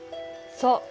そう。